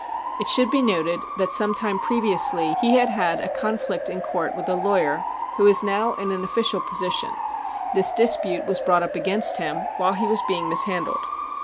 It should be noted that some time previ ously he had had a conflict in court with a lawyer who is now in an official position; this dispute was brought up against him while he was being mishandled.